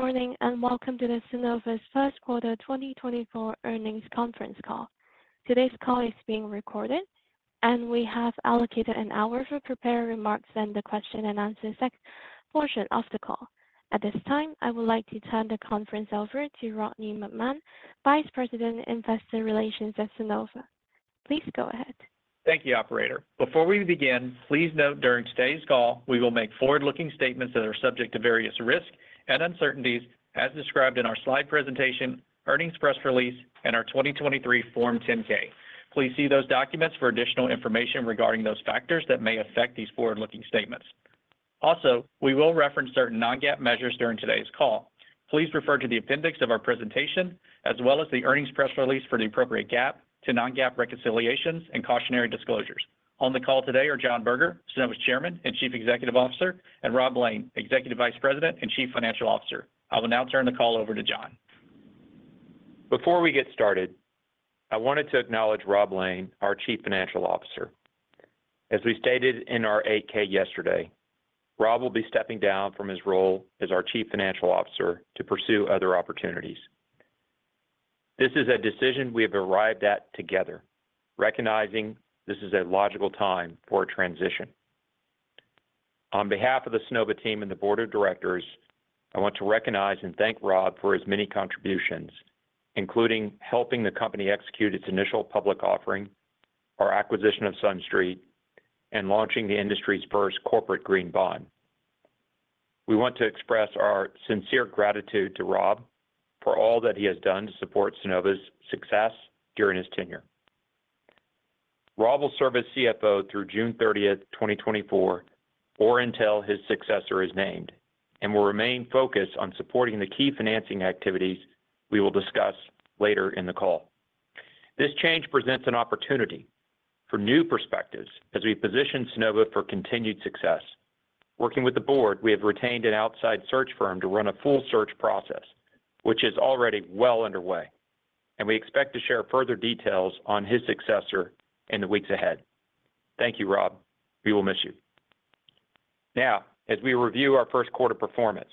Good morning, and welcome to Sunnova's First Quarter 2024 Earnings Conference Call. Today's call is being recorded, and we have allocated an hour for prepared remarks and the question-and-answer section of the call. At this time, I would like to turn the conference over to Rodney McMahan, Vice President, Investor Relations at Sunnova. Please go ahead. Thank you, operator. Before we begin, please note during today's call, we will make forward-looking statements that are subject to various risks and uncertainties as described in our slide presentation, earnings press release, and our 2023 Form 10-K. Please see those documents for additional information regarding those factors that may affect these forward-looking statements. Also, we will reference certain non-GAAP measures during today's call. Please refer to the appendix of our presentation, as well as the earnings press release for the appropriate GAAP to non-GAAP reconciliations and cautionary disclosures. On the call today are John Berger, Sunnova's Chairman and Chief Executive Officer, and Rob Lane, Executive Vice President and Chief Financial Officer. I will now turn the call over to John. Before we get started, I wanted to acknowledge Rob Lane, our Chief Financial Officer. As we stated in our 8-K yesterday, Rob will be stepping down from his role as our Chief Financial Officer to pursue other opportunities. This is a decision we have arrived at together, recognizing this is a logical time for a transition. On behalf of the Sunnova team and the board of directors, I want to recognize and thank Rob for his many contributions, including helping the company execute its initial public offering, our acquisition of SunStreet, and launching the industry's first corporate green bond. We want to express our sincere gratitude to Rob for all that he has done to support Sunnova's success during his tenure. Rob will serve as CFO through June 30th, 2024, or until his successor is named, and will remain focused on supporting the key financing activities we will discuss later in the call. This change presents an opportunity for new perspectives as we position Sunnova for continued success. Working with the board, we have retained an outside search firm to run a full search process, which is already well underway, and we expect to share further details on his successor in the weeks ahead. Thank you, Rob. We will miss you. Now, as we review our first quarter performance,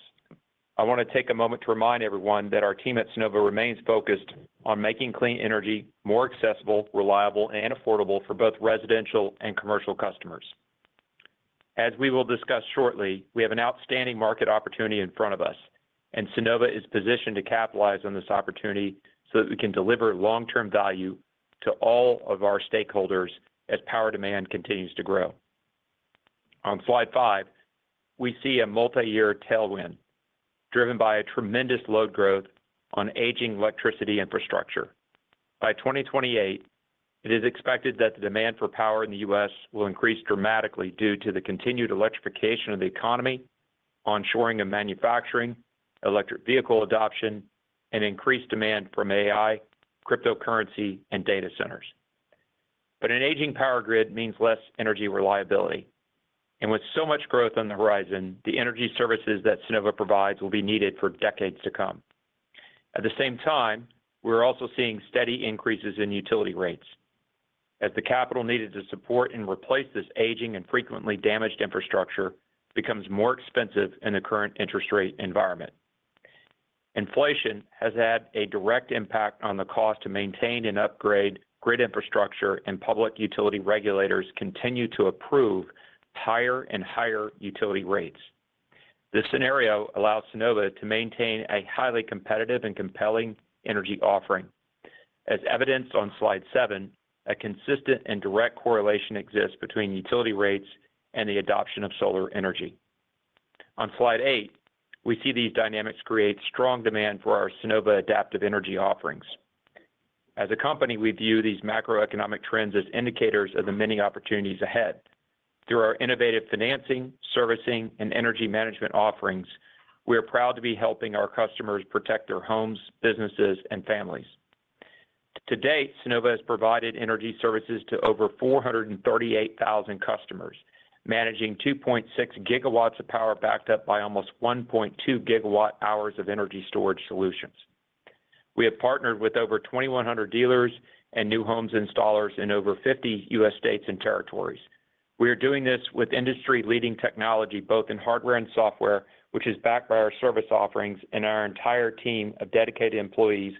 I want to take a moment to remind everyone that our team at Sunnova remains focused on making clean energy more accessible, reliable, and affordable for both residential and commercial customers. As we will discuss shortly, we have an outstanding market opportunity in front of us, and Sunnova is positioned to capitalize on this opportunity so that we can deliver long-term value to all of our stakeholders as power demand continues to grow. On slide 5, we see a multiyear tailwind driven by a tremendous load growth on aging electricity infrastructure. By 2028, it is expected that the demand for power in the U.S. will increase dramatically due to the continued electrification of the economy, onshoring of manufacturing, electric vehicle adoption, and increased demand from AI, cryptocurrency, and data centers. But an aging power grid means less energy reliability, and with so much growth on the horizon, the energy services that Sunnova provides will be needed for decades to come. At the same time, we're also seeing steady increases in utility rates. As the capital needed to support and replace this aging and frequently damaged infrastructure becomes more expensive in the current interest rate environment. Inflation has had a direct impact on the cost to maintain and upgrade grid infrastructure, and public utility regulators continue to approve higher and higher utility rates. This scenario allows Sunnova to maintain a highly competitive and compelling energy offering. As evidenced on slide 7, a consistent and direct correlation exists between utility rates and the adoption of solar energy. On slide 8, we see these dynamics create strong demand for our Sunnova adaptive energy offerings. As a company, we view these macroeconomic trends as indicators of the many opportunities ahead. Through our innovative financing, servicing, and energy management offerings, we are proud to be helping our customers protect their homes, businesses, and families. To date, Sunnova has provided energy services to over 438,000 customers, managing 2.6 GW of power, backed up by almost 1.2 GWh of energy storage solutions. We have partnered with over 2,100 dealers and new homes installers in over 50 U.S. states and territories. We are doing this with industry-leading technology, both in hardware and software, which is backed by our service offerings and our entire team of dedicated employees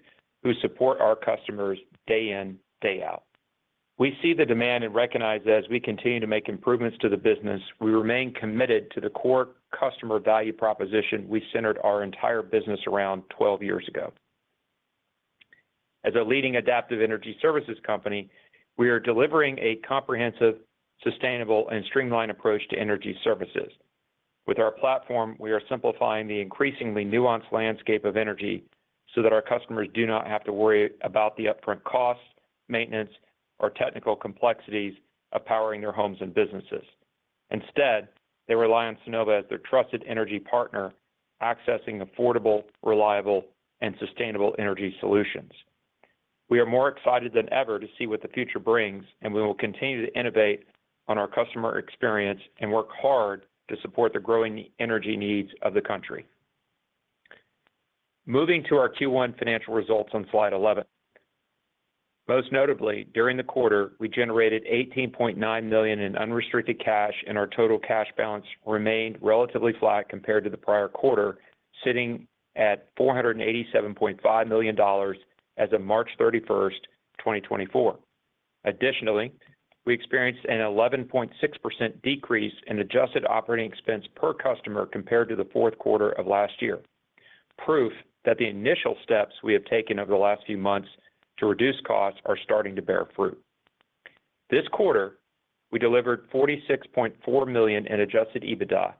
who support our customers day in, day out. We see the demand and recognize as we continue to make improvements to the business, we remain committed to the core customer value proposition we centered our entire business around 12 years ago. As a leading adaptive energy services company, we are delivering a comprehensive, sustainable, and streamlined approach to energy services. With our platform, we are simplifying the increasingly nuanced landscape of energy so that our customers do not have to worry about the upfront costs, maintenance, or technical complexities of powering their homes and businesses. Instead, they rely on Sunnova as their trusted energy partner, accessing affordable, reliable, and sustainable energy solutions. We are more excited than ever to see what the future brings, and we will continue to innovate on our customer experience and work hard to support the growing energy needs of the country. Moving to our Q1 financial results on slide 11. Most notably, during the quarter, we generated $18.9 million in unrestricted cash, and our total cash balance remained relatively flat compared to the prior quarter, sitting at $487.5 million as of March 31, 2024. Additionally, we experienced an 11.6% decrease in adjusted operating expense per customer compared to the fourth quarter of last year. Proof that the initial steps we have taken over the last few months to reduce costs are starting to bear fruit. This quarter, we delivered $46.4 million in adjusted EBITDA,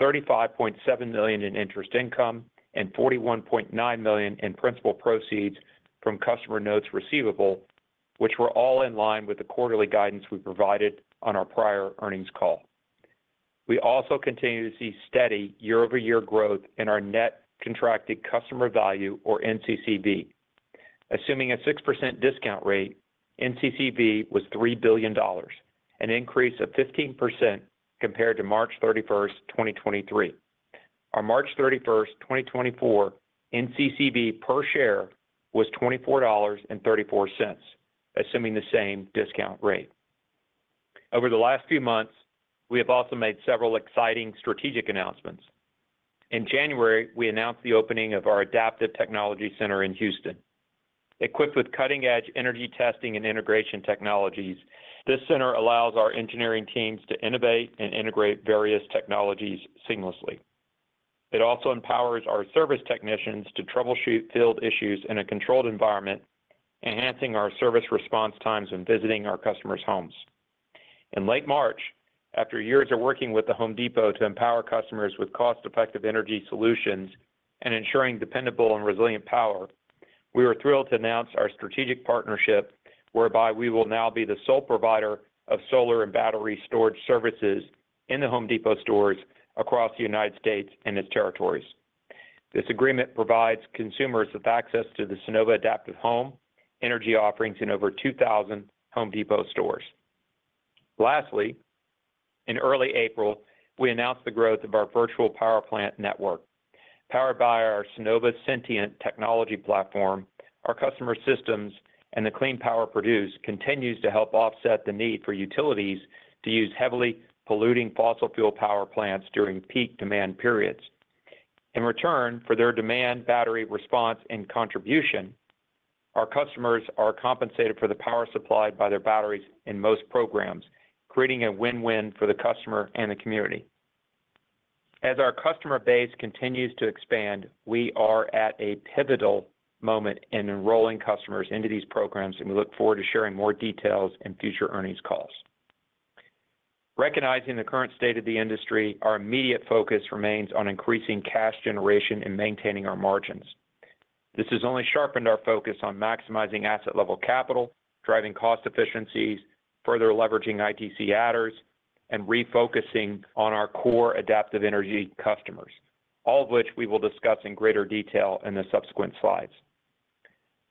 $35.7 million in interest income, and $41.9 million in principal proceeds from customer notes receivable, which were all in line with the quarterly guidance we provided on our prior earnings call. We also continue to see steady year-over-year growth in our net contracted customer value, or NCCV. Assuming a 6% discount rate, NCCV was $3 billion, an increase of 15% compared to March 31st, 2023. Our March 31st, 2024, NCCV per share was $24.34, assuming the same discount rate. Over the last few months, we have also made several exciting strategic announcements. In January, we announced the opening of our Adaptive Technology Center in Houston. Equipped with cutting-edge energy testing and integration technologies, this center allows our engineering teams to innovate and integrate various technologies seamlessly. It also empowers our service technicians to troubleshoot field issues in a controlled environment, enhancing our service response times when visiting our customers' homes. In late March, after years of working with The Home Depot to empower customers with cost-effective energy solutions and ensuring dependable and resilient power, we were thrilled to announce our strategic partnership, whereby we will now be the sole provider of solar and battery storage services in the Home Depot stores across the United States and its territories. This agreement provides consumers with access to the Sunnova Adaptive Home energy offerings in over 2,000 Home Depot stores. Lastly, in early April, we announced the growth of our virtual power plant network. Powered by our Sunnova Sentient technology platform, our customer systems and the clean power produced continues to help offset the need for utilities to use heavily polluting fossil fuel power plants during peak demand periods. In return for their demand, battery, response, and contribution, our customers are compensated for the power supplied by their batteries in most programs, creating a win-win for the customer and the community. As our customer base continues to expand, we are at a pivotal moment in enrolling customers into these programs, and we look forward to sharing more details in future earnings calls. Recognizing the current state of the industry, our immediate focus remains on increasing cash generation and maintaining our margins. This has only sharpened our focus on maximizing asset-level capital, driving cost efficiencies, further leveraging ITC adders, and refocusing on our core adaptive energy customers, all of which we will discuss in greater detail in the subsequent slides.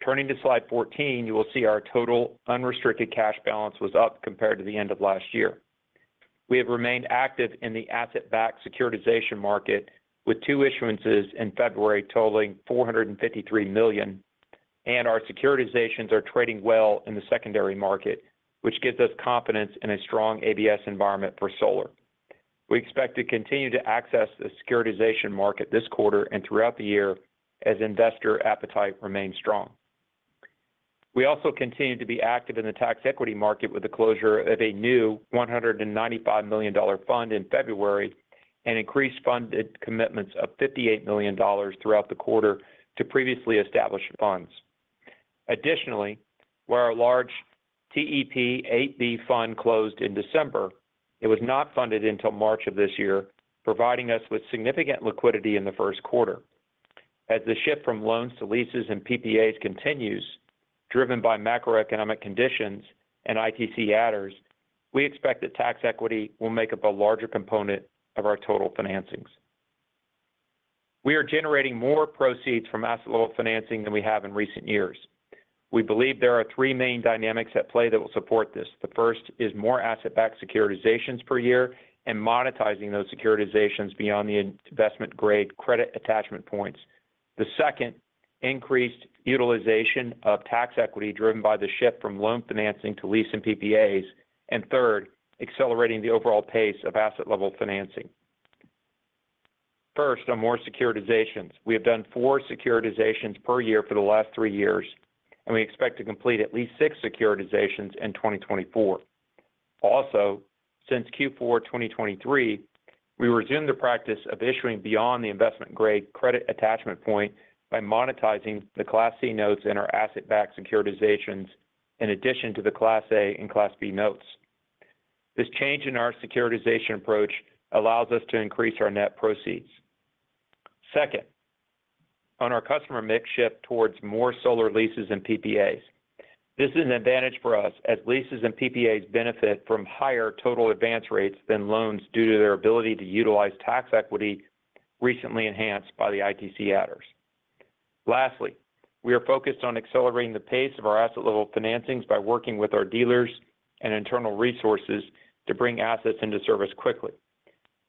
Turning to slide 14, you will see our total unrestricted cash balance was up compared to the end of last year. We have remained active in the asset-backed securitization market with two issuances in February, totaling $453 million, and our securitizations are trading well in the secondary market, which gives us confidence in a strong ABS environment for solar. We expect to continue to access the securitization market this quarter and throughout the year as investor appetite remains strong. We also continue to be active in the tax equity market with the closure of a new $195 million fund in February and increased funded commitments of $58 million throughout the quarter to previously established funds. Additionally, where our large TEP VIII-B fund closed in December, it was not funded until March of this year, providing us with significant liquidity in the first quarter. As the shift from loans to leases and PPAs continues, driven by macroeconomic conditions and ITC adders, we expect that tax equity will make up a larger component of our total financings. We are generating more proceeds from asset-level financing than we have in recent years. We believe there are three main dynamics at play that will support this. The first is more asset-backed securitizations per year and monetizing those securitizations beyond the investment-grade credit attachment points. The second, increased utilization of tax equity driven by the shift from loan financing to lease and PPAs, and third, accelerating the overall pace of asset-level financing. First, on more securitizations. We have done 4 securitizations per year for the last three years, and we expect to complete at least six securitizations in 2024. Also, since Q4 2023, we resumed the practice of issuing beyond the investment-grade credit attachment point by monetizing the Class C notes in our asset-backed securitizations, in addition to the Class A and Class B notes. This change in our securitization approach allows us to increase our net proceeds. Second, on our customer mix shift towards more solar leases and PPAs. This is an advantage for us as leases and PPAs benefit from higher total advance rates than loans due to their ability to utilize tax equity, recently enhanced by the ITC adders. Lastly, we are focused on accelerating the pace of our asset-level financings by working with our dealers and internal resources to bring assets into service quickly.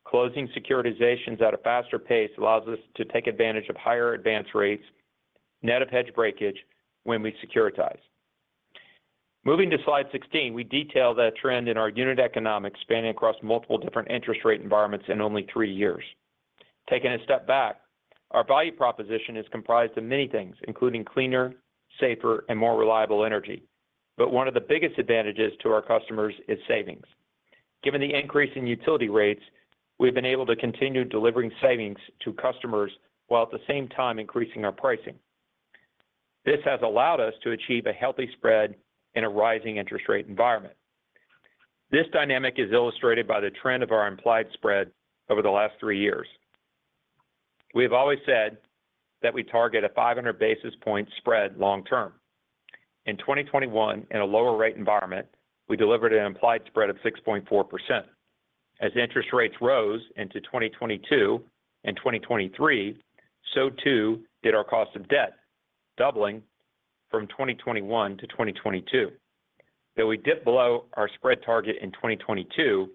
Closing securitizations at a faster pace allows us to take advantage of higher advance rates, net of hedge breakage, when we securitize. Moving to slide 16, we detail the trend in our unit economics spanning across multiple different interest rate environments in only three years. Taking a step back, our value proposition is comprised of many things, including cleaner, safer, and more reliable energy. But one of the biggest advantages to our customers is savings. Given the increase in utility rates, we've been able to continue delivering savings to customers, while at the same time increasing our pricing. This has allowed us to achieve a healthy spread in a rising interest rate environment. This dynamic is illustrated by the trend of our implied spread over the last three years. We have always said that we target a 500 basis point spread long term. In 2021, in a lower-rate environment, we delivered an implied spread of 6.4%. As interest rates rose into 2022 and 2023, so too did our cost of debt, doubling from 2021 to 2022. Though we dipped below our spread target in 2022,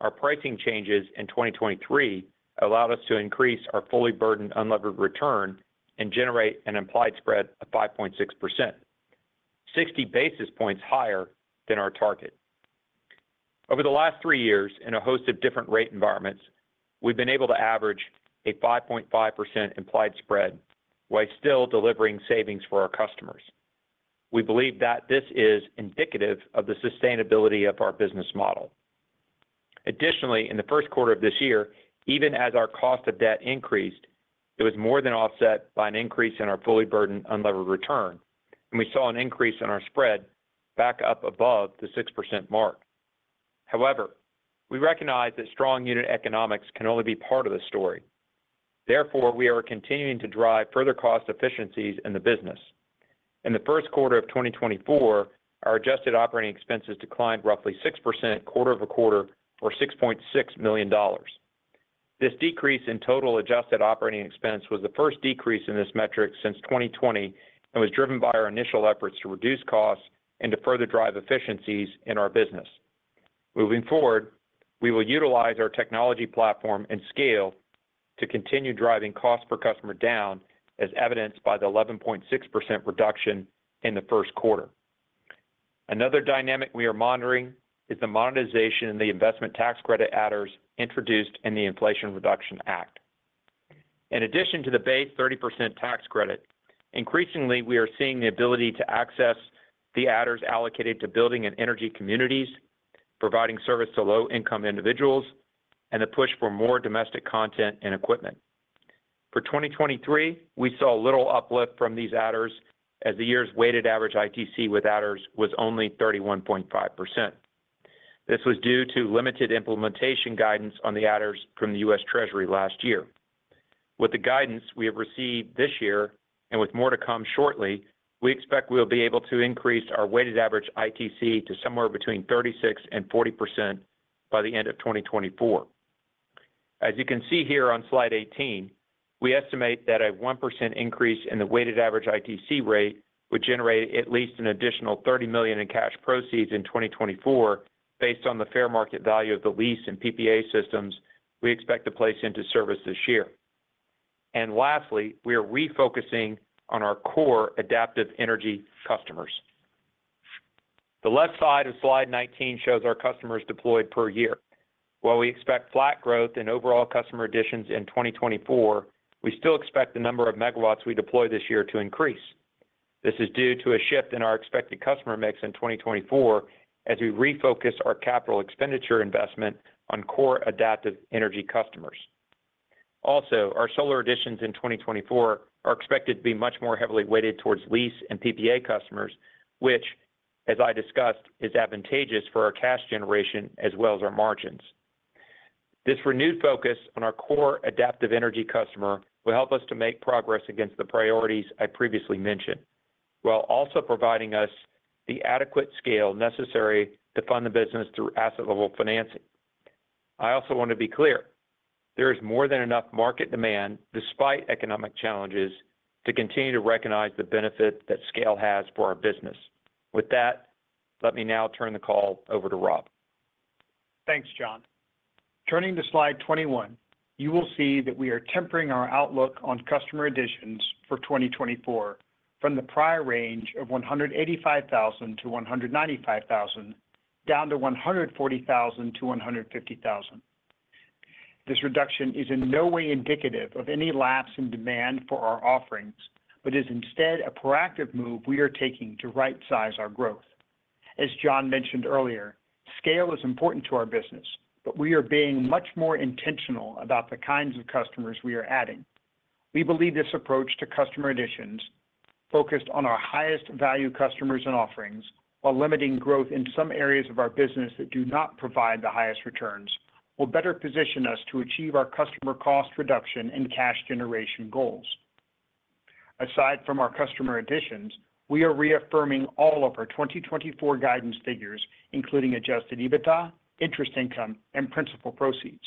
our pricing changes in 2023 allowed us to increase our fully burdened unlevered return and generate an implied spread of 5.6%, 60 basis points higher than our target. Over the last three years, in a host of different rate environments, we've been able to average a 5.5% implied spread while still delivering savings for our customers. We believe that this is indicative of the sustainability of our business model. Additionally, in the first quarter of this year, even as our cost of debt increased, it was more than offset by an increase in our fully burdened unlevered return, and we saw an increase in our spread back up above the 6% mark. However, we recognize that strong unit economics can only be part of the story. Therefore, we are continuing to drive further cost efficiencies in the business. In the first quarter of 2024, our adjusted operating expenses declined roughly 6% quarter-over-quarter, or $6.6 million. This decrease in total adjusted operating expense was the first decrease in this metric since 2020 and was driven by our initial efforts to reduce costs and to further drive efficiencies in our business. Moving forward, we will utilize our technology platform and scale to continue driving cost per customer down, as evidenced by the 11.6% reduction in the first quarter. Another dynamic we are monitoring is the monetization and the investment tax credit adders introduced in the Inflation Reduction Act. In addition to the base 30% tax credit, increasingly, we are seeing the ability to access the adders allocated to building and energy communities, providing service to low-income individuals, and the push for more domestic content and equipment. For 2023, we saw little uplift from these adders as the year's weighted average ITC with adders was only 31.5%. This was due to limited implementation guidance on the adders from the U.S. Treasury last year. With the guidance we have received this year, and with more to come shortly, we expect we'll be able to increase our weighted average ITC to somewhere between 36% and 40% by the end of 2024. As you can see here on slide 18, we estimate that a 1% increase in the weighted average ITC rate would generate at least an additional $30 million in cash proceeds in 2024, based on the fair market value of the lease and PPA systems we expect to place into service this year. And lastly, we are refocusing on our core adaptive energy customers. The left side of slide 19 shows our customers deployed per year. While we expect flat growth in overall customer additions in 2024, we still expect the number of megawatts we deploy this year to increase. This is due to a shift in our expected customer mix in 2024 as we refocus our capital expenditure investment on core adaptive energy customers. Also, our solar additions in 2024 are expected to be much more heavily weighted towards lease and PPA customers, which, as I discussed, is advantageous for our cash generation as well as our margins. This renewed focus on our core adaptive energy customer will help us to make progress against the priorities I previously mentioned, while also providing us the adequate scale necessary to fund the business through asset level financing. I also want to be clear, there is more than enough market demand, despite economic challenges, to continue to recognize the benefit that scale has for our business. With that, let me now turn the call over to Rob. Thanks, John. Turning to slide 21, you will see that we are tempering our outlook on customer additions for 2024 from the prior range of 185,000 to 195,000, down to 140,000 to 150,000. This reduction is in no way indicative of any lapse in demand for our offerings, but is instead a proactive move we are taking to rightsize our growth. As John mentioned earlier, scale is important to our business, but we are being much more intentional about the kinds of customers we are adding. We believe this approach to customer additions, focused on our highest value customers and offerings, while limiting growth in some areas of our business that do not provide the highest returns, will better position us to achieve our customer cost reduction and cash generation goals. Aside from our customer additions, we are reaffirming all of our 2024 guidance figures, including adjusted EBITDA, interest income, and principal proceeds.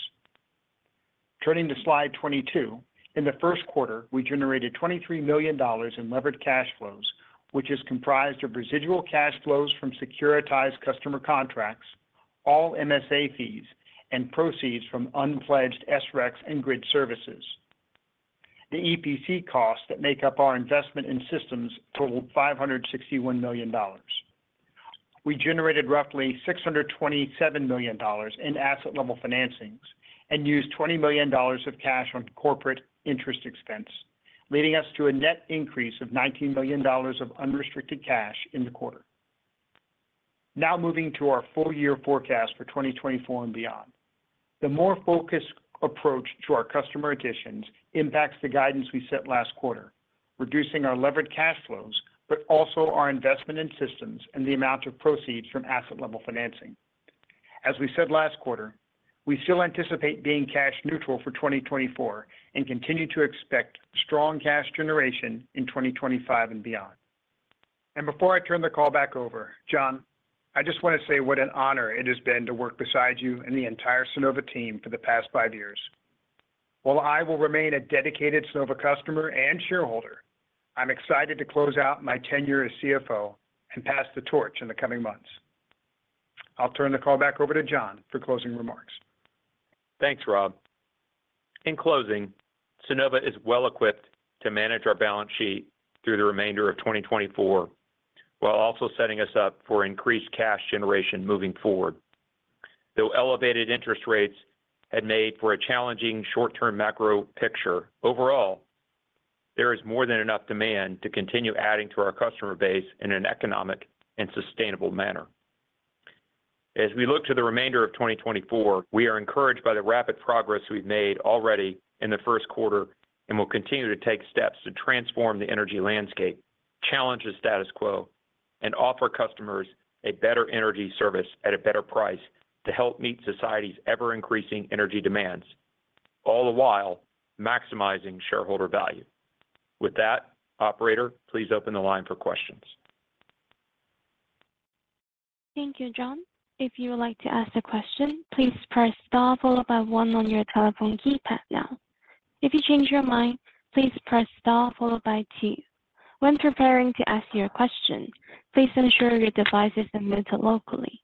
Turning to slide 22. In the first quarter, we generated $23 million in levered cash flows, which is comprised of residual cash flows from securitized customer contracts, all MSA fees, and proceeds from unpledged SRECs and grid services. The EPC costs that make up our investment in systems totaled $561 million. We generated roughly $627 million in asset level financings and used $20 million of cash on corporate interest expense, leading us to a net increase of $19 million of unrestricted cash in the quarter. Now moving to our full-year forecast for 2024 and beyond. The more focused approach to our customer additions impacts the guidance we set last quarter, reducing our levered cash flows, but also our investment in systems and the amount of proceeds from asset level financing. As we said last quarter, we still anticipate being cash neutral for 2024 and continue to expect strong cash generation in 2025 and beyond. Before I turn the call back over, John, I just want to say what an honor it has been to work beside you and the entire Sunnova team for the past five years. While I will remain a dedicated Sunnova customer and shareholder, I'm excited to close out my tenure as CFO and pass the torch in the coming months. I'll turn the call back over to John for closing remarks. Thanks, Rob. In closing, Sunnova is well equipped to manage our balance sheet through the remainder of 2024, while also setting us up for increased cash generation moving forward. Though elevated interest rates had made for a challenging short-term macro picture, overall, there is more than enough demand to continue adding to our customer base in an economic and sustainable manner. As we look to the remainder of 2024, we are encouraged by the rapid progress we've made already in the first quarter and will continue to take steps to transform the energy landscape, challenge the status quo, and offer customers a better energy service at a better price to help meet society's ever-increasing energy demands, all the while maximizing shareholder value. With that, operator, please open the line for questions. Thank you, John. If you would like to ask a question, please press star followed by one on your telephone keypad now. If you change your mind, please press star followed by two. When preparing to ask your question, please ensure your device is muted locally.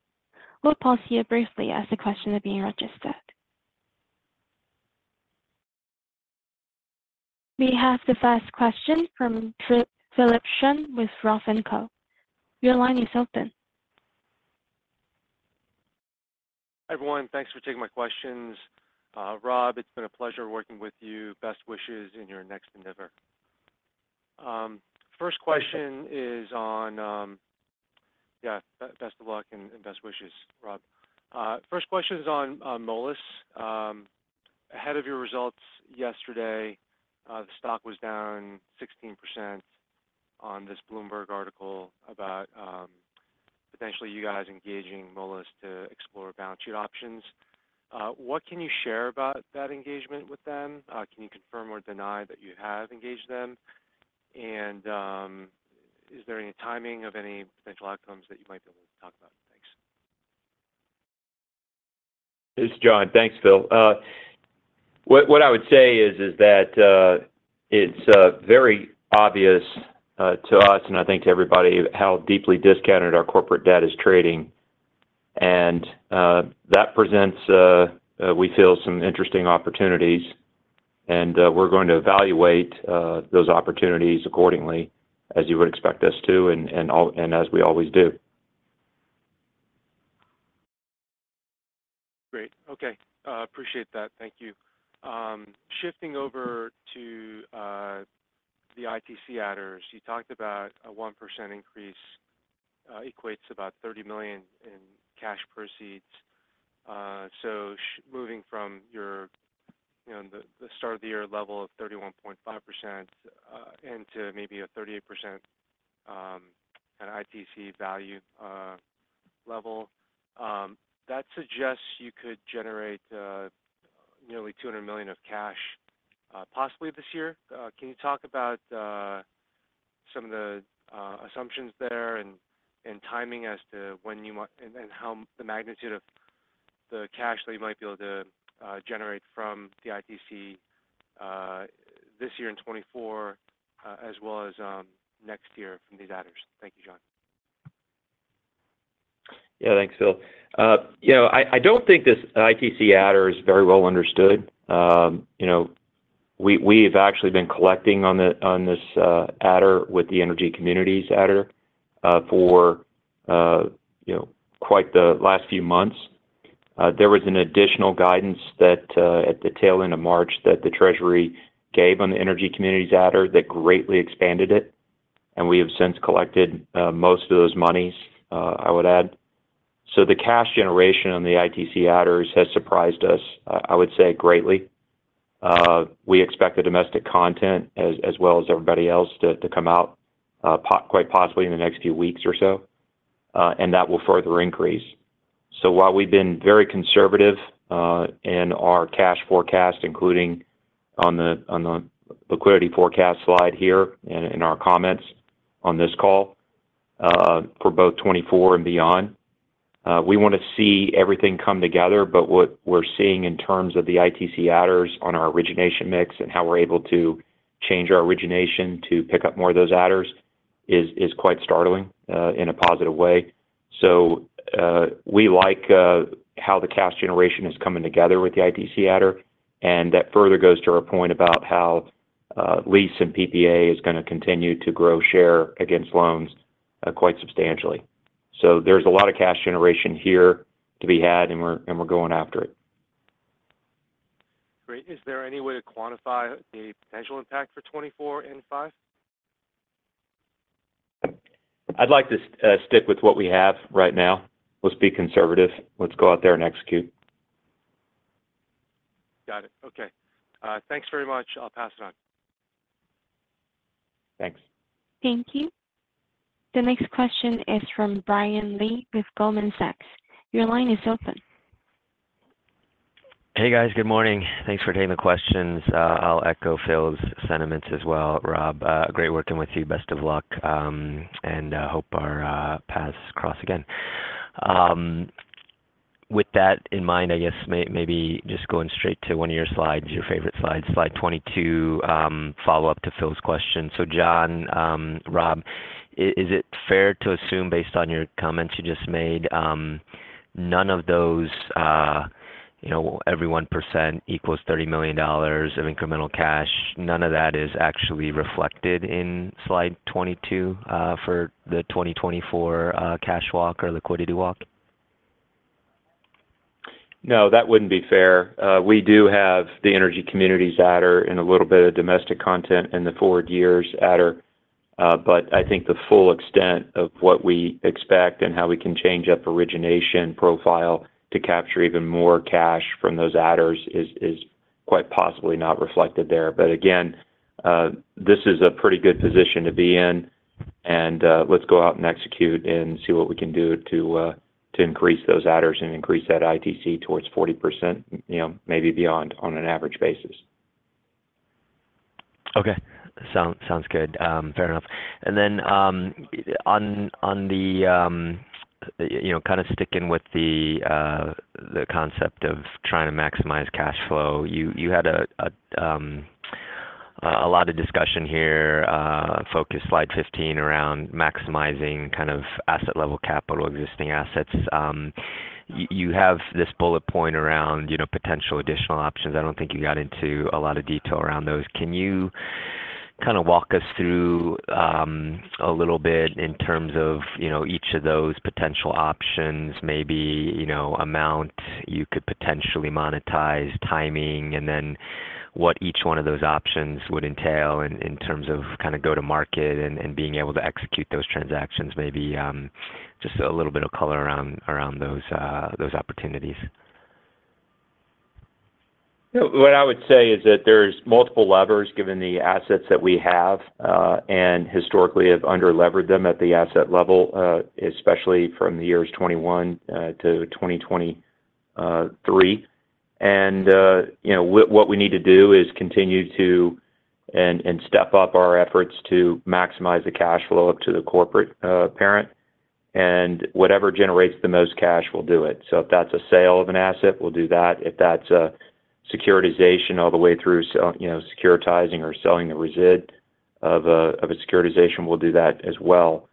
We'll pause here briefly as the questions are being registered. We have the first question from Philip Shen with Roth and Co. Your line is open. Hi, everyone. Thanks for taking my questions. Rob, it's been a pleasure working with you. Best wishes in your next endeavor. Yeah, best of luck and best wishes, Rob. First question is on Moelis. Ahead of your results yesterday, the stock was down 16% on this Bloomberg article about potentially you guys engaging Moelis to explore balance sheet options. What can you share about that engagement with them? Can you confirm or deny that you have engaged them? And is there any timing of any potential outcomes that you might be able to talk about? Thanks. This is John. Thanks, Phil. What I would say is that it's very obvious to us and I think to everybody how deeply discounted our corporate debt is trading. And that presents, we feel, some interesting opportunities, and we're going to evaluate those opportunities accordingly, as you would expect us to, and as we always do. Great. Okay, appreciate that. Thank you. Shifting over to the ITC adders, you talked about a 1% increase equates about $30 million in cash proceeds. So moving from your, you know, the, the start-of-the-year level of 31.5%, into maybe a 38%, an ITC value level, that suggests you could generate nearly $200 million of cash, possibly this year. Can you talk about some of the assumptions there and, and timing as to when you might, and, and how the magnitude of the cash that you might be able to generate from the ITC this year in 2024, as well as next year from these adders. Thank you, John. Yeah. Thanks, Phil. You know, I don't think this ITC adder is very well understood. You know, we have actually been collecting on this adder with the energy communities adder, for you know, quite the last few months. There was additional guidance that at the tail end of March, that the treasury gave on the energy communities adder that greatly expanded it, and we have since collected most of those monies, I would add. So the cash generation on the ITC adders has surprised us, I would say, greatly. We expect the domestic content, as well as everybody else, to come out quite possibly in the next few weeks or so, and that will further increase. So while we've been very conservative in our cash forecast, including on the liquidity forecast slide here in our comments on this call, for both 2024 and beyond, we want to see everything come together, but what we're seeing in terms of the ITC adders on our origination mix and how we're able to change our origination to pick up more of those adders is quite startling in a positive way. So we like how the cash generation is coming together with the ITC adder, and that further goes to our point about how lease and PPA is going to continue to grow share against loans quite substantially. So there's a lot of cash generation here to be had, and we're going after it. Great. Is there any way to quantify the potential impact for 2024 and 2025? I'd like to stick with what we have right now. Let's be conservative. Let's go out there and execute. Got it. Okay. Thanks very much. I'll pass it on. Thanks. Thank you. The next question is from Brian Lee with Goldman Sachs. Your line is open. Hey, guys. Good morning. Thanks for taking the questions. I'll echo Phil's sentiments as well, Rob. Great working with you. Best of luck, and hope our paths cross again. With that in mind, I guess maybe just going straight to one of your slides, your favorite slide, slide 22, follow-up to Phil's question. So John, Rob, is it fair to assume, based on your comments you just made, none of those, you know, every 1% equals $30 million of incremental cash, none of that is actually reflected in slide 22, for the 2024 cash walk or liquidity walk? No, that wouldn't be fair. We do have the energy communities adder and a little bit of domestic content in the forward years adder. But I think the full extent of what we expect and how we can change up origination profile to capture even more cash from those adders is quite possibly not reflected there. But again, this is a pretty good position to be in, and let's go out and execute and see what we can do to increase those adders and increase that ITC towards 40%, you know, maybe beyond, on an average basis. Okay. Sounds good. Fair enough. And then, on the, you know, kind of sticking with the concept of trying to maximize cash flow, you had a lot of discussion here, focused slide 15, around maximizing kind of asset-level capital, existing assets. You have this bullet point around, you know, potential additional options. I don't think you got into a lot of detail around those. Can you kind of walk us through a little bit in terms of, you know, each of those potential options, maybe, you know, amount you could potentially monetize, timing, and then what each one of those options would entail in terms of kind of go-to-market and being able to execute those transactions? Maybe just a little bit of color around those opportunities. What I would say is that there's multiple levers, given the assets that we have, and historically have underleveraged them at the asset level, especially from the years 2021 to 2023. You know, what we need to do is continue to step up our efforts to maximize the cash flow up to the corporate parent, and whatever generates the most cash will do it. So if that's a sale of an asset, we'll do that. If that's a securitization all the way through sell, you know, securitizing or selling the resid of a securitization, we'll do that as well.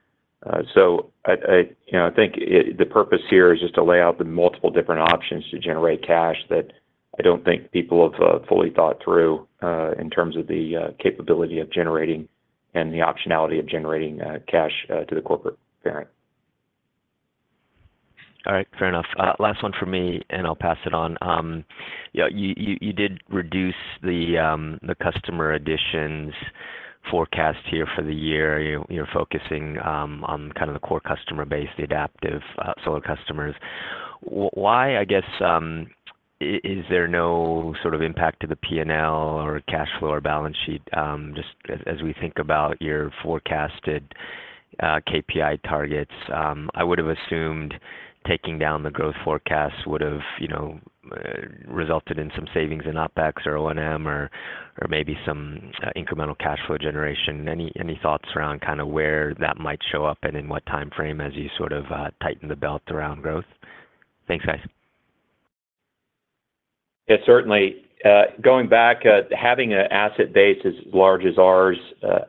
So, you know, I think it—the purpose here is just to lay out the multiple different options to generate cash that I don't think people have fully thought through, in terms of the capability of generating and the optionality of generating cash to the corporate parent. All right. Fair enough. Last one for me, and I'll pass it on. Yeah, you did reduce the customer additions forecast here for the year. You're focusing on kind of the core customer base, the adaptive solar customers. Why, I guess, is there no sort of impact to the P&L or cash flow or balance sheet? Just as we think about your forecasted KPI targets, I would have assumed taking down the growth forecast would have, you know, resulted in some savings in OpEx or O&M or maybe some incremental cash flow generation. Any thoughts around kind of where that might show up and in what time frame as you sort of tighten the belt around growth? Thanks, guys. Yeah, certainly. Going back, having an asset base as large as ours,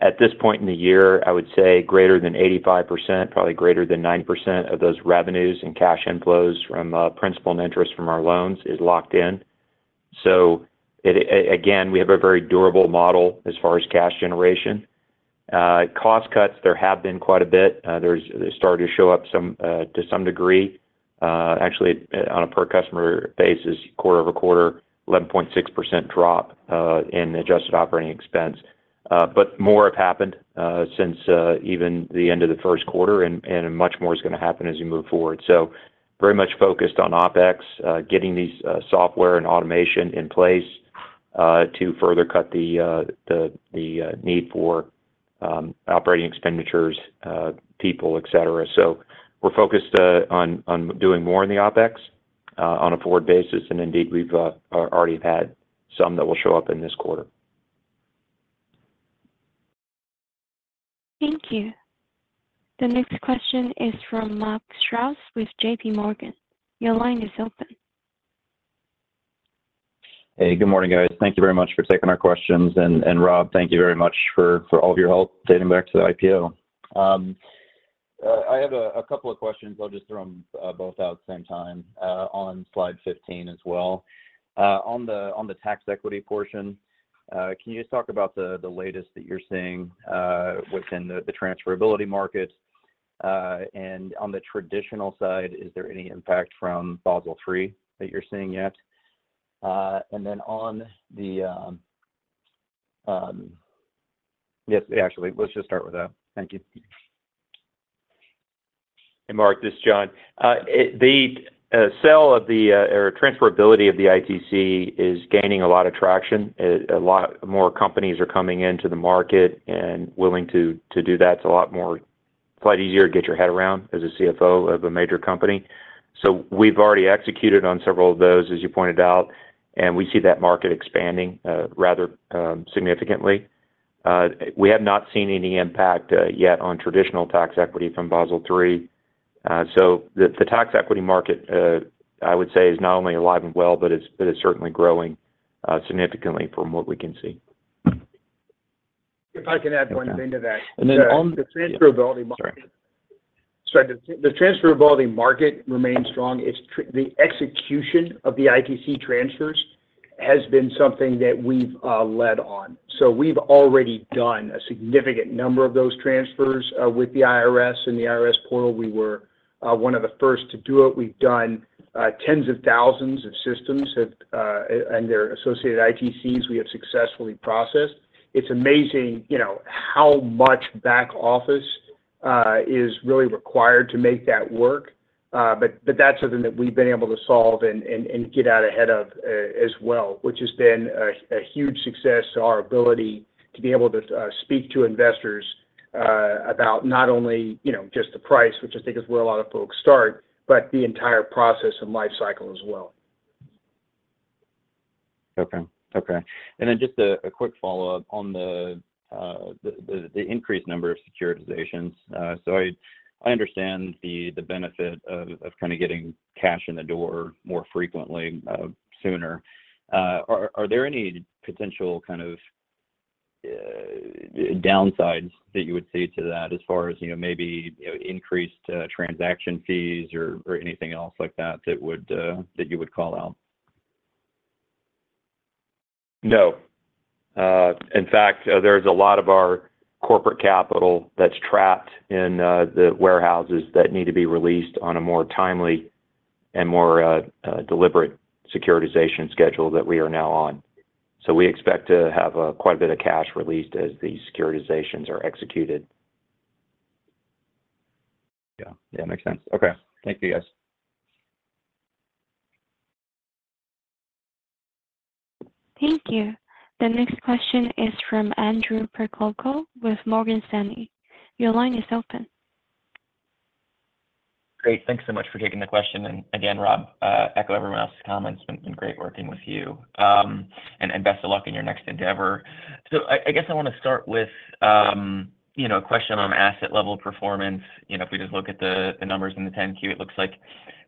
at this point in the year, I would say greater than 85%, probably greater than 90% of those revenues and cash inflows from principal and interest from our loans is locked in. So it again, we have a very durable model as far as cash generation. Cost cuts, there have been quite a bit. They're starting to show up some, to some degree, actually, on a per customer basis, quarter-over-quarter, 11.6% drop in adjusted operating expense. But more have happened since even the end of the first quarter, and much more is going to happen as we move forward. So very much focused on OpEx, getting these software and automation in place, to further cut the need for operating expenditures, people, et cetera. So we're focused on doing more in the OpEx on a forward basis, and indeed, we've already had some that will show up in this quarter. Thank you. The next question is from Mark Strauss with J.P. Morgan. Your line is open. Hey, good morning, guys. Thank you very much for taking our questions. And Rob, thank you very much for all of your help dating back to the IPO. I have a couple of questions. I'll just throw them both out at the same time, on slide 15 as well. On the tax equity portion, can you just talk about the latest that you're seeing within the transferability market? And on the traditional side, is there any impact from Basel III that you're seeing yet? Yes, actually, let's just start with that. Thank you. Hey, Mark, this is John. The sale of the or transferability of the ITC is gaining a lot of traction. A lot more companies are coming into the market and willing to do that. It's a lot more quite easier to get your head around as a CFO of a major company. So we've already executed on several of those, as you pointed out, and we see that market expanding rather significantly. We have not seen any impact yet on traditional tax equity from Basel III. So the tax equity market, I would say, is not only alive and well, but it's certainly growing significantly from what we can see. If I can add one thing to that. And then on- The transferability market- Sorry. Sorry. The transferability market remains strong. It's the execution of the ITC transfers has been something that we've led on. So we've already done a significant number of those transfers with the IRS. In the IRS portal, we were one of the first to do it. We've done tens of thousands of systems that and their associated ITCs, we have successfully processed. It's amazing, you know, how much back office is really required to make that work. But that's something that we've been able to solve and get out ahead of as well, which has been a huge success to our ability to be able to speak to investors about not only, you know, just the price, which I think is where a lot of folks start, but the entire process and lifecycle as well. Okay. Okay, and then just a quick follow-up on the increased number of securitizations. So I understand the benefit of kind of getting cash in the door more frequently sooner. Are there any potential kind of downsides that you would see to that as far as, you know, maybe increased transaction fees or anything else like that that you would call out? No. In fact, there's a lot of our corporate capital that's trapped in the warehouses that need to be released on a more timely and more deliberate securitization schedule that we are now on. So we expect to have quite a bit of cash released as these securitizations are executed. Yeah. Yeah, makes sense. Okay. Thank you, guys. Thank you. The next question is from Andrew Percoco with Morgan Stanley. Your line is open. Great. Thank you so much for taking the question, and again, Rob, echo everyone else's comments. Been great working with you. Best of luck in your next endeavor. So I guess I want to start with, you know, a question on asset level performance. You know, if we just look at the numbers in the 10-Q, it looks like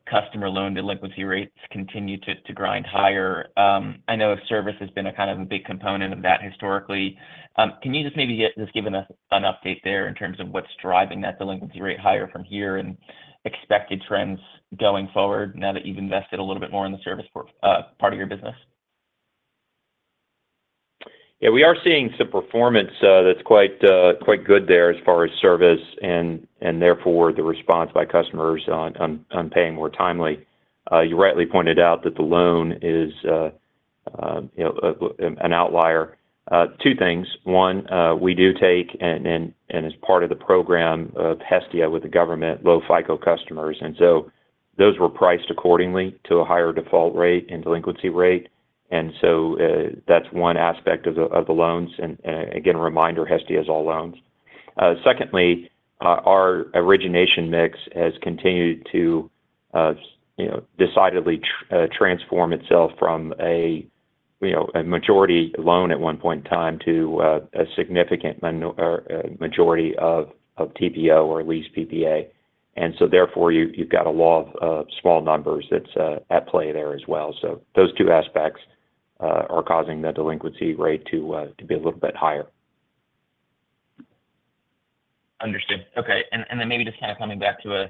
customer loan delinquency rates continue to grind higher. I know service has been a kind of a big component of that historically. Can you just maybe give us an update there in terms of what's driving that delinquency rate higher from here and expected trends going forward now that you've invested a little bit more in the service part of your business? Yeah, we are seeing some performance that's quite, quite good there as far as service and therefore the response by customers on paying more timely. You rightly pointed out that the loan is, you know, an outlier. Two things: one, we do take and as part of the program of Hestia with the government, low FICO customers, and so those were priced accordingly to a higher default rate and delinquency rate, and so that's one aspect of the loans. And again, a reminder, Hestia is all loans. Secondly, our origination mix has continued to, you know, decidedly transform itself from a, you know, a majority loan at one point in time to a significant majority of TPO or lease PPA. So therefore, you've got a law of small numbers that's at play there as well. Those two aspects are causing the delinquency rate to be a little bit higher. Understood. Okay, and then maybe just kind of coming back to a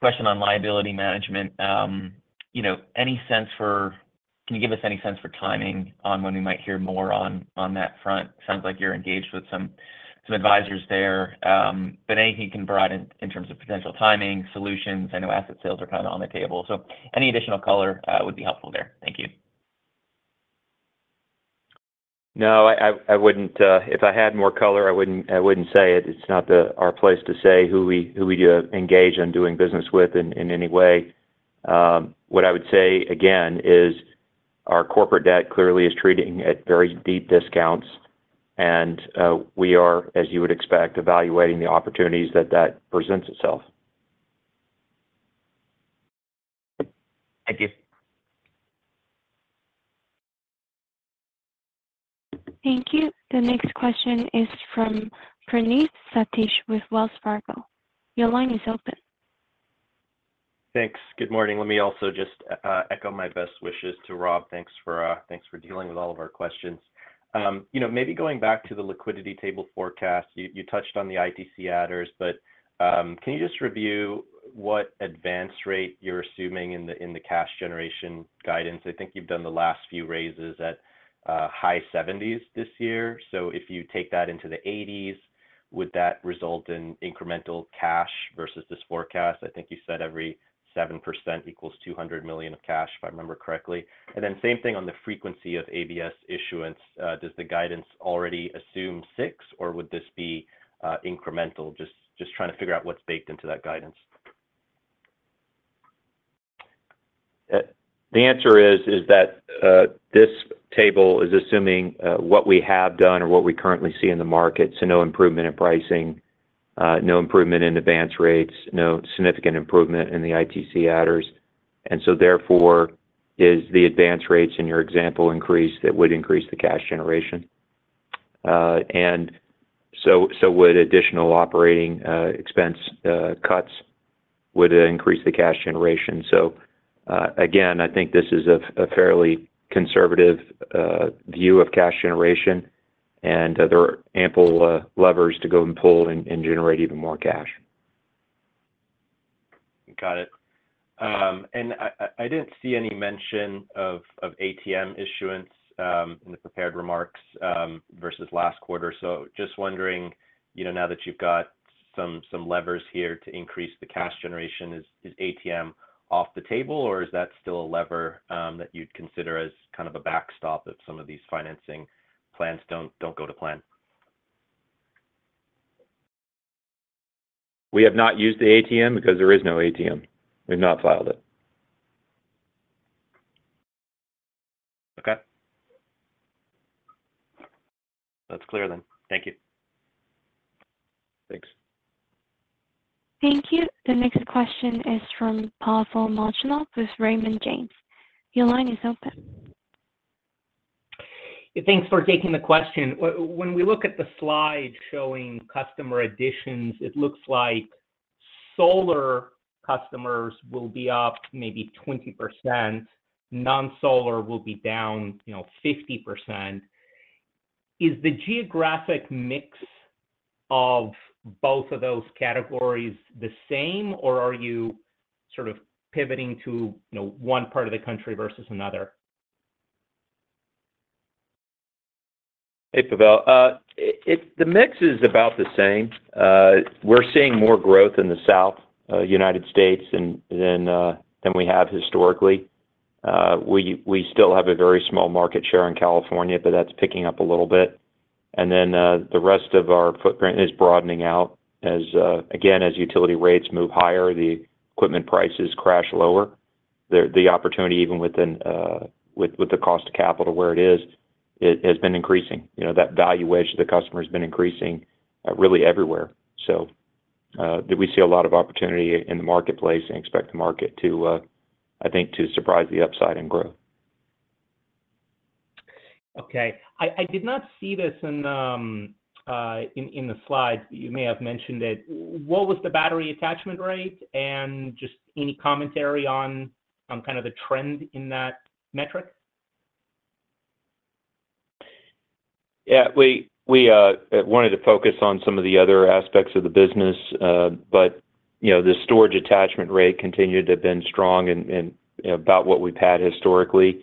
question on liability management. You know, can you give us any sense for timing on when we might hear more on that front? Sounds like you're engaged with some advisors there, but anything you can provide in terms of potential timing, solutions? I know asset sales are kind of on the table, so any additional color would be helpful there. Thank you. No, I wouldn't, if I had more color, I wouldn't say it. It's not our place to say who we engage on doing business with in any way. What I would say again is our corporate debt clearly is trading at very deep discounts, and we are, as you would expect, evaluating the opportunities that presents itself. I guess- Thank you. The next question is from Praneeth Satish with Wells Fargo. Your line is open. Thanks. Good morning. Let me also just echo my best wishes to Rob. Thanks for dealing with all of our questions. You know, maybe going back to the liquidity table forecast, you touched on the ITC adders, but can you just review what advance rate you're assuming in the cash generation guidance? I think you've done the last few raises at high 70s this year. So if you take that into the 80s, would that result in incremental cash versus this forecast? I think you said every 7% equals $200 million of cash, if I remember correctly. And then same thing on the frequency of ABS issuance. Does the guidance already assume six, or would this be incremental? Just trying to figure out what's baked into that guidance. The answer is that this table is assuming what we have done or what we currently see in the market, so no improvement in pricing, no improvement in advance rates, no significant improvement in the ITC adders. And so therefore, if the advance rates in your example increase, that would increase the cash generation. And so, so would additional operating expense cuts would increase the cash generation. So, again, I think this is a fairly conservative view of cash generation, and there are ample levers to go and pull and generate even more cash. Got it. And I didn't see any mention of ATM issuance in the prepared remarks versus last quarter. So just wondering, you know, now that you've got some levers here to increase the cash generation, is ATM off the table, or is that still a lever that you'd consider as kind of a backstop if some of these financing plans don't go to plan? We have not used the ATM because there is no ATM. We've not filed it. Okay. That's clear then. Thank you. Thanks. Thank you. The next question is from Pavel Molchanov with Raymond James. Your line is open. Thanks for taking the question. When we look at the slide showing customer additions, it looks like solar customers will be up maybe 20%, non-solar will be down, you know, 50%. Is the geographic mix of both of those categories the same, or are you sort of pivoting to, you know, one part of the country versus another? Hey, Pavel. The mix is about the same. We're seeing more growth in the South United States than we have historically. We still have a very small market share in California, but that's picking up a little bit. And then, the rest of our footprint is broadening out as again, as utility rates move higher, the equipment prices crash lower. The opportunity, even within, with the cost of capital, where it is, has been increasing. You know, that valuation of the customer has been increasing really everywhere. So, do we see a lot of opportunity in the marketplace and expect the market to, I think, to surprise the upside and grow. Okay. I did not see this in the slide. You may have mentioned it. What was the battery attachment rate? And just any commentary on kind of the trend in that metric? Yeah, we wanted to focus on some of the other aspects of the business, but, you know, the storage attachment rate continued to have been strong and about what we've had historically.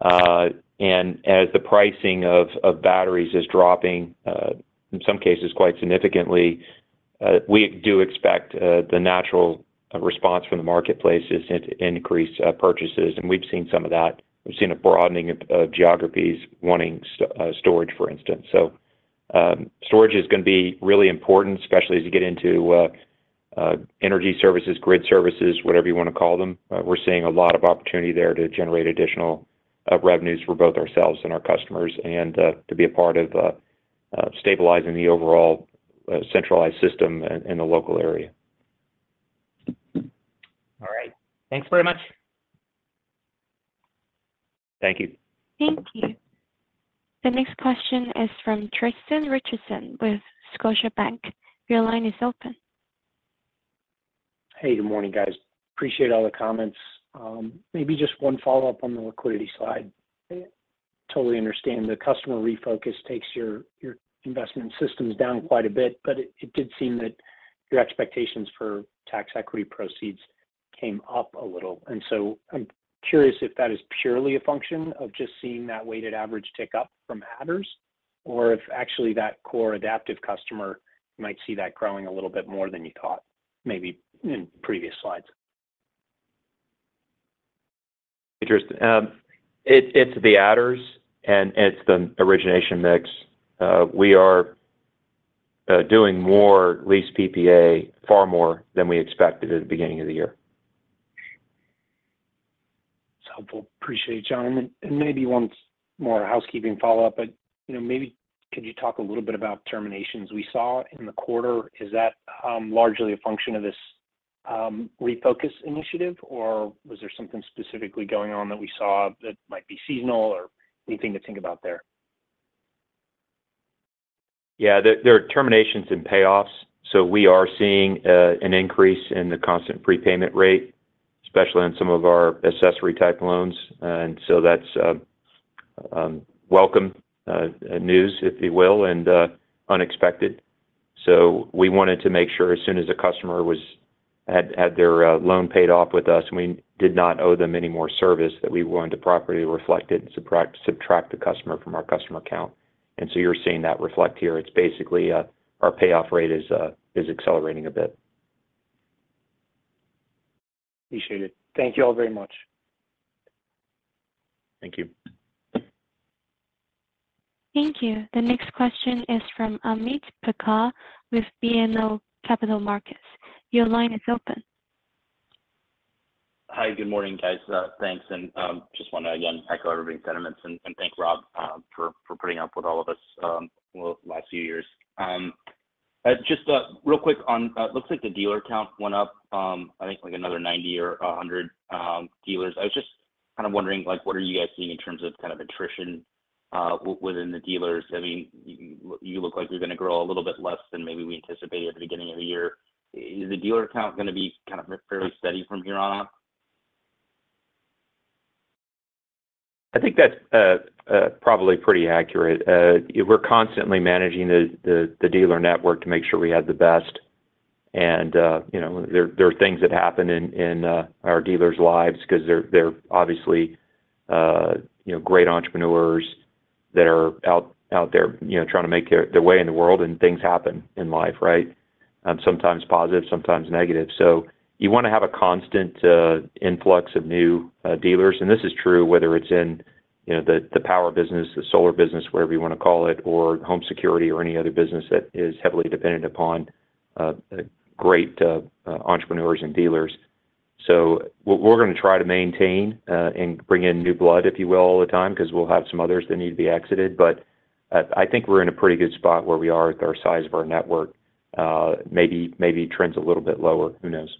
And as the pricing of batteries is dropping, in some cases quite significantly, we do expect the natural response from the marketplace is to increase purchases, and we've seen some of that. We've seen a broadening of geographies wanting storage, for instance. So, storage is gonna be really important, especially as you get into energy services, grid services, whatever you want to call them. We're seeing a lot of opportunity there to generate additional revenues for both ourselves and our customers, and to be a part of stabilizing the overall centralized system in the local area. All right. Thanks very much. Thank you. Thank you. The next question is from Tristan Richardson with Scotiabank. Your line is open. Hey, good morning, guys. Appreciate all the comments. Maybe just one follow-up on the liquidity slide. I totally understand the customer refocus takes your investment systems down quite a bit, but it did seem that your expectations for tax equity proceeds came up a little. And so I'm curious if that is purely a function of just seeing that weighted average tick up from adders, or if actually that core adaptive customer might see that growing a little bit more than you thought, maybe in previous slides. Interesting. It's the adders and it's the origination mix. We are doing more lease PPA, far more than we expected at the beginning of the year. It's helpful. Appreciate it, John. And then maybe one more housekeeping follow-up, but, you know, maybe could you talk a little bit about terminations we saw in the quarter? Is that largely a function of this- refocus initiative, or was there something specifically going on that we saw that might be seasonal or anything to think about there? Yeah, there are terminations and payoffs, so we are seeing an increase in the constant prepayment rate, especially on some of our accessory-type loans. And so that's welcome news, if you will, and unexpected. So we wanted to make sure as soon as the customer had their loan paid off with us, and we did not owe them any more service, that we were going to properly reflect it and subtract the customer from our customer count. And so you're seeing that reflect here. It's basically our payoff rate is accelerating a bit. Appreciate it. Thank you all very much. Thank you. Thank you. The next question is from Ameet Thakkar with BMO Capital Markets. Your line is open. Hi, good morning, guys. Thanks. And just want to again echo everybody's sentiments and thank Rob for putting up with all of us, well, last few years. Just real quick on, looks like the dealer count went up, I think like another 90 or 100 dealers. I was just kind of wondering, like, what are you guys seeing in terms of kind of attrition within the dealers? I mean, you look like you're going to grow a little bit less than maybe we anticipated at the beginning of the year. Is the dealer count gonna be kind of fairly steady from here on out? I think that's probably pretty accurate. We're constantly managing the dealer network to make sure we have the best. And you know, there are things that happen in our dealers' lives because they're obviously you know, great entrepreneurs that are out there, you know, trying to make their way in the world, and things happen in life, right? Sometimes positive, sometimes negative. So you want to have a constant influx of new dealers. And this is true, whether it's in you know, the power business, the solar business, whatever you want to call it, or home security or any other business that is heavily dependent upon great entrepreneurs and dealers. So we're gonna try to maintain and bring in new blood, if you will, all the time, because we'll have some others that need to be exited. But I think we're in a pretty good spot where we are with our size of our network. Maybe, maybe it trends a little bit lower, who knows?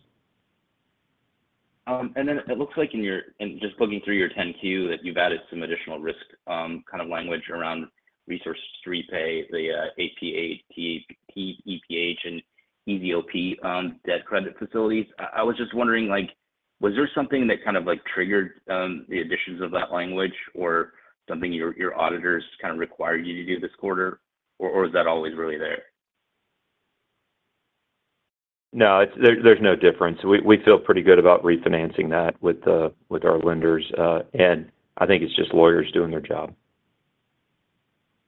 And then it looks like, just looking through your 10-Q, that you've added some additional risk, kind of language around resource repay, the APA, TEP, EPH, and EVOP debt credit facilities. I was just wondering, like, was there something that kind of, like, triggered the additions of that language or something your auditors kind of required you to do this quarter, or is that always really there? No, it's there. There's no difference. We feel pretty good about refinancing that with our lenders, and I think it's just lawyers doing their job.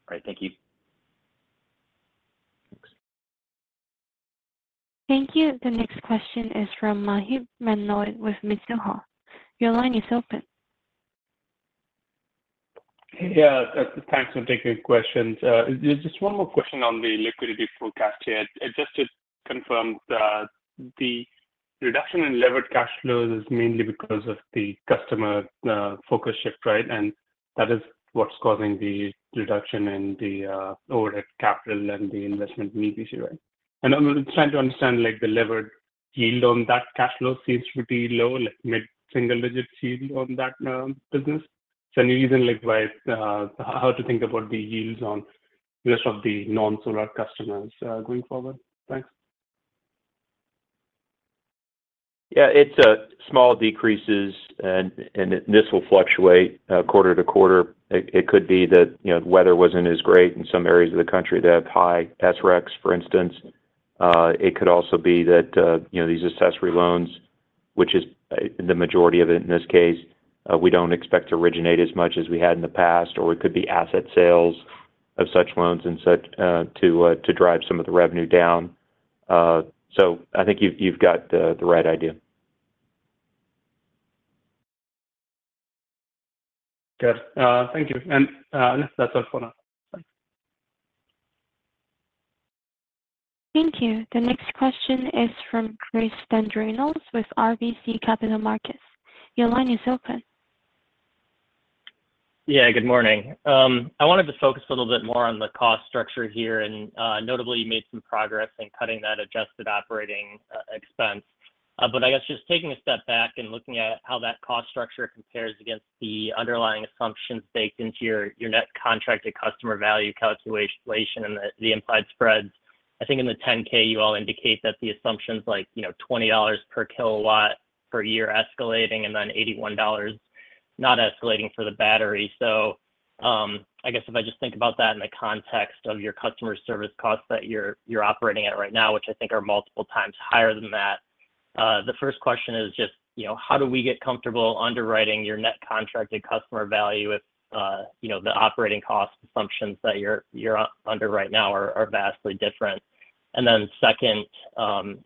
All right. Thank you. Thanks. Thank you. The next question is from Maheep Mandloi with Mizuho. Your line is open. Yeah, thanks for taking the questions. Just one more question on the liquidity forecast here. Just to confirm, the reduction in levered cash flows is mainly because of the customer focus shift, right? And that is what's causing the reduction in the overhead capital and the investment needs this year, right? And I'm trying to understand, like, the levered yield on that cash flow seems pretty low, like mid-single-digit yield on that business. So any reason, like, why, how to think about the yields on rest of the non-solar customers going forward? Thanks. Yeah, it's small decreases, and this will fluctuate quarter to quarter. It could be that, you know, the weather wasn't as great in some areas of the country that have high SRECs, for instance. It could also be that, you know, these accessory loans, which is the majority of it, in this case, we don't expect to originate as much as we had in the past, or it could be asset sales of such loans and such to drive some of the revenue down. So I think you've got the right idea. Good. Thank you. That's all for now. Bye. Thank you. The next question is from Chris Dendrinos with RBC Capital Markets. Your line is open. Yeah, good morning. I wanted to focus a little bit more on the cost structure here, and notably, you made some progress in cutting that adjusted operating expense. But I guess just taking a step back and looking at how that cost structure compares against the underlying assumptions baked into your net contracted customer value calculation and the implied spreads. I think in the 10-K, you all indicate that the assumptions like, you know, $20 per kilowatt per year escalating and then $81 not escalating for the battery. So, I guess if I just think about that in the context of your customer service costs that you're operating at right now, which I think are multiple times higher than that. The first question is just, you know, how do we get comfortable underwriting your net contracted customer value if, you know, the operating cost assumptions that you're under right now are vastly different? And then second,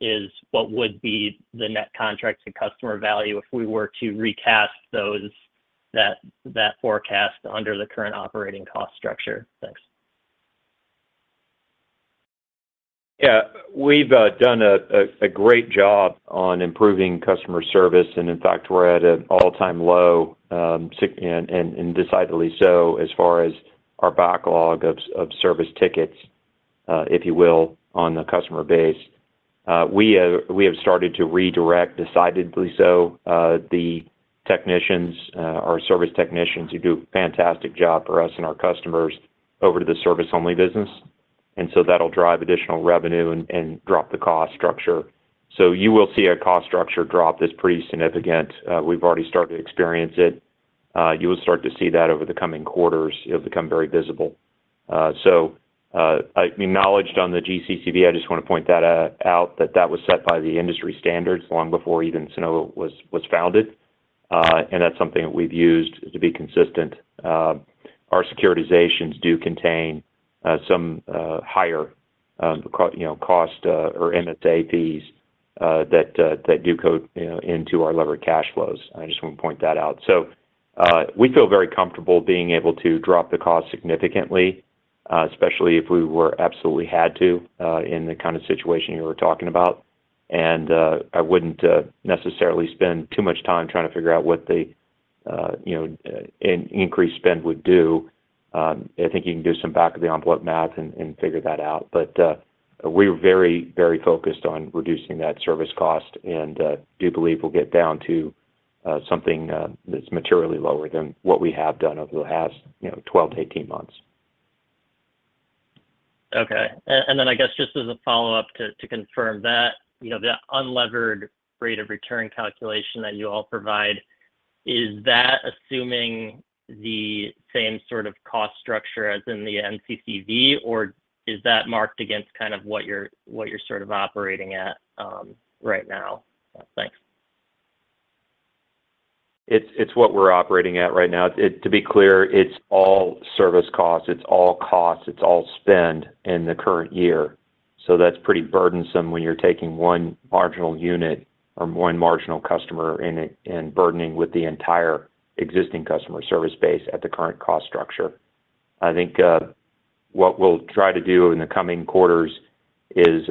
is what would be the net contracted customer value if we were to recast those, that forecast under the current operating cost structure? Thanks. Yeah. We've done a great job on improving customer service, and in fact, we're at an all-time low, and decidedly so as far as our backlog of service tickets... if you will, on the customer base. We have started to redirect decidedly so the technicians, our service technicians, who do a fantastic job for us and our customers, over to the service-only business, and so that'll drive additional revenue and drop the cost structure. So you will see a cost structure drop that's pretty significant. We've already started to experience it. You will start to see that over the coming quarters. It'll become very visible. So, I acknowledged on the GCCV, I just wanna point that out, that that was set by the industry standards long before even Sunnova was founded, and that's something that we've used to be consistent. Our securitizations do contain some higher cost, you know, cost or basis swaps that do go, you know, into our levered cash flows. I just wanna point that out. So, we feel very comfortable being able to drop the cost significantly, especially if we were absolutely had to, in the kind of situation you were talking about. And, I wouldn't necessarily spend too much time trying to figure out what the, you know, increased spend would do. I think you can do some back of the envelope math and figure that out. But, we're very, very focused on reducing that service cost, and, do believe we'll get down to, something, that's materially lower than what we have done over the last, you know, 12-18 months. Okay. And then I guess, just as a follow-up to confirm that, you know, the unlevered rate of return calculation that you all provide, is that assuming the same sort of cost structure as in the NCCV, or is that marked against kind of what you're sort of operating at, right now? Thanks. It's, it's what we're operating at right now. To be clear, it's all service costs, it's all costs, it's all spend in the current year. So that's pretty burdensome when you're taking one marginal unit or one marginal customer in and burdening with the entire existing customer service base at the current cost structure. I think what we'll try to do in the coming quarters is,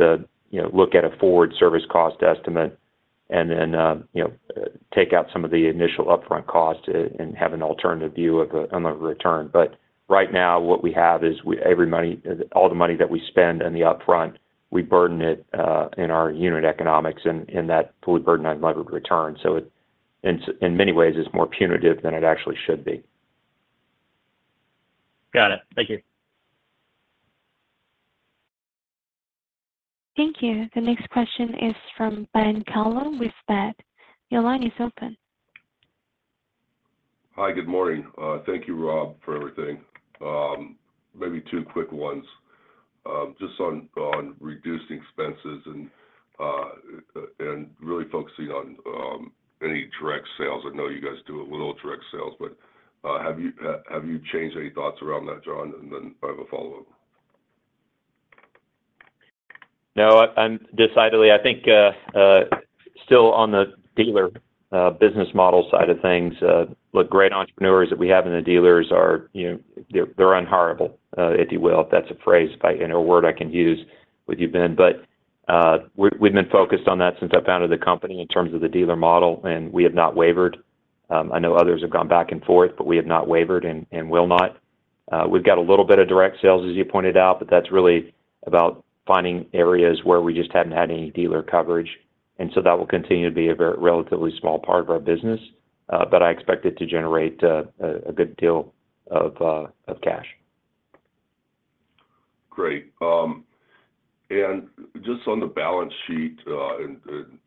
you know, look at a forward service cost estimate and then, you know, take out some of the initial upfront costs and have an alternative view of a on the return. But right now, what we have is every money, all the money that we spend on the upfront, we burden it in our unit economics and in that fully burdened unlevered return. So it, in many ways, is more punitive than it actually should be. Got it. Thank you. Thank you. The next question is from Ben Kallo with Baird. Your line is open. Hi, good morning. Thank you, Rob, for everything. Maybe two quick ones. Just on reducing expenses and really focusing on any direct sales. I know you guys do a little direct sales, but have you changed any thoughts around that, Rob? And then I have a follow-up. No, I'm decidedly, I think, still on the dealer business model side of things. Look, great entrepreneurs that we have in the dealers are, you know, they're unhirable, if you will. That's a phrase I, you know, a word I can use with you, Ben. But we've been focused on that since I founded the company in terms of the dealer model, and we have not wavered. I know others have gone back and forth, but we have not wavered and will not. We've got a little bit of direct sales, as you pointed out, but that's really about finding areas where we just hadn't had any dealer coverage, and so that will continue to be a very relatively small part of our business, but I expect it to generate a good deal of cash. Great. And just on the balance sheet, and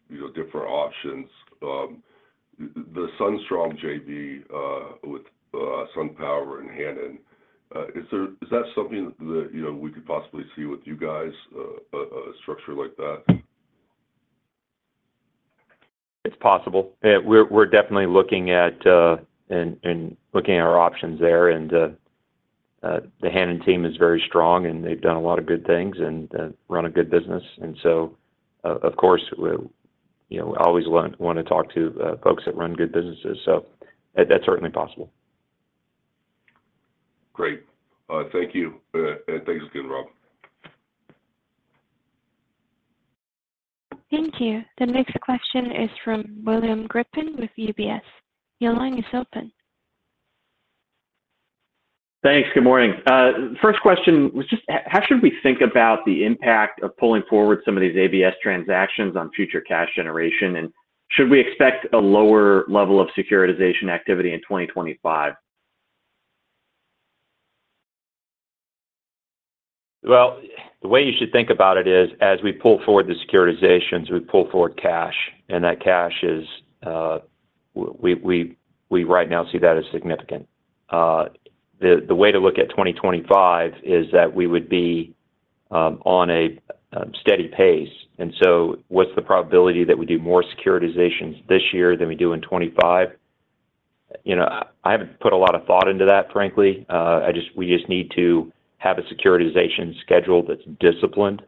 you know, different options, the SunStrong JV with SunPower and Hannon, is there—is that something that, you know, we could possibly see with you guys, a structure like that? It's possible. We're definitely looking at our options there. The Hannon team is very strong, and they've done a lot of good things and run a good business, and so of course, we're, you know, always wanna talk to folks that run good businesses. So that's certainly possible. Great. Thank you. And thanks again, Rob. Thank you. The next question is from William Grippin with UBS. Your line is open. Thanks. Good morning. First question was just, how should we think about the impact of pulling forward some of these ABS transactions on future cash generation? And should we expect a lower level of securitization activity in 2025? Well, the way you should think about it is, as we pull forward the securitizations, we pull forward cash, and that cash is. We right now see that as significant. The way to look at 2025 is that we would be on a steady pace. And so what's the probability that we do more securitizations this year than we do in 2025? You know, I haven't put a lot of thought into that, frankly. I just we just need to have a securitization schedule that's disciplined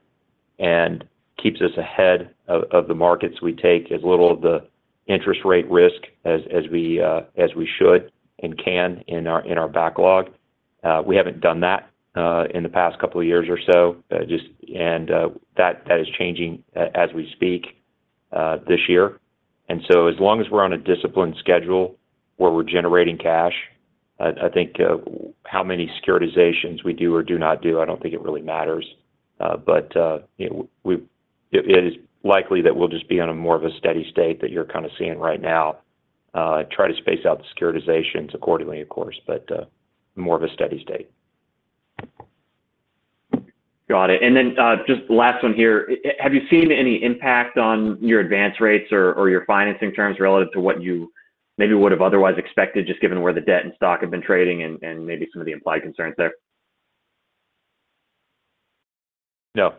and keeps us ahead of the markets. We take as little of the interest rate risk as we should and can in our backlog. We haven't done that in the past couple of years or so. Just and that is changing as we speak this year. And so as long as we're on a disciplined schedule where we're generating cash, I think how many securitizations we do or do not do, I don't think it really matters. But you know, it is likely that we'll just be on more of a steady state that you're kind of seeing right now, try to space out the securitizations accordingly, of course, but more of a steady state. Got it. And then, just last one here. Have you seen any impact on your advance rates or, or your financing terms relative to what you maybe would have otherwise expected, just given where the debt and stock have been trading and, and maybe some of the implied concerns there? No.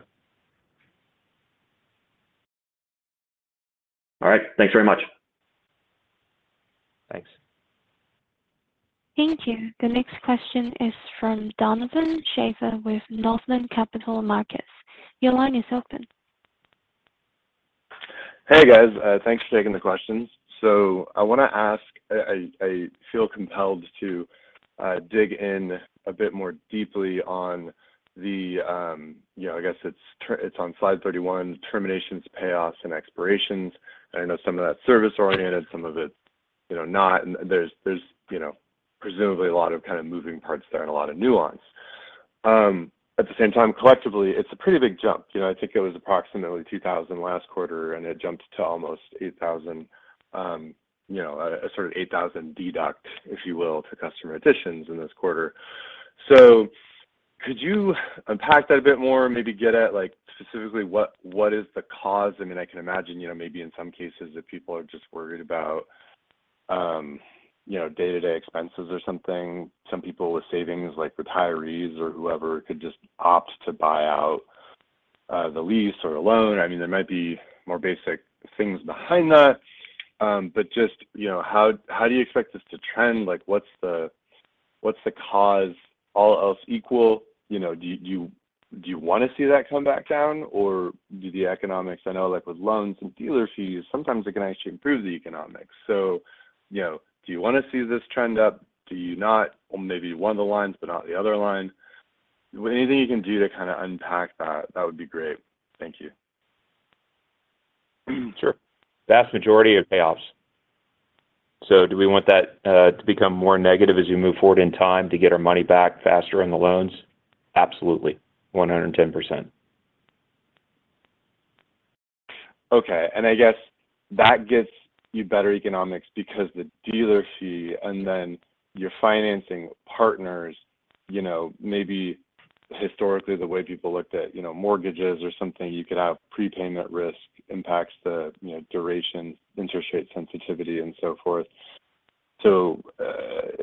All right. Thanks very much. Thanks. Thank you. The next question is from Donovan Schafer with Northland Capital Markets. Your line is open. Hey, guys, thanks for taking the questions. So I want to ask, I feel compelled to dig in a bit more deeply on the, you know, I guess it's on slide 31, terminations, payoffs, and expirations. I know some of that's service-oriented, some of it, you know, not, and there's, you know, presumably a lot of kind of moving parts there and a lot of nuance. At the same time, collectively, it's a pretty big jump. You know, I think it was approximately 2,000 last quarter, and it jumped to almost 8,000, you know, a sort of 8,000 deduct, if you will, to customer additions in this quarter. So could you unpack that a bit more and maybe get at, like, specifically, what is the cause? I mean, I can imagine, you know, maybe in some cases, if people are just worried about, you know, day-to-day expenses or something, some people with savings, like retirees or whoever, could just opt to buy out, the lease or a loan. I mean, there might be more basic things behind that. But just, you know, how, how do you expect this to trend? Like, what's the, what's the cause, all else equal? You know, do you, do you want to see that come back down or do the economics? I know, like with loans and dealer fees, sometimes it can actually improve the economics. So, you know, do you want to see this trend up? Do you not? Or maybe one of the lines, but not the other lines. Anything you can do to kind of unpack that, that would be great. Thank you. Sure. Vast majority are payoffs. So do we want that to become more negative as we move forward in time to get our money back faster on the loans? Absolutely, 110%. Okay. And I guess that gets you better economics because the dealer fee and then your financing partners, you know, maybe historically, the way people looked at, you know, mortgages or something, you could have prepayment risk impacts the, you know, duration, interest rate, sensitivity, and so forth. So,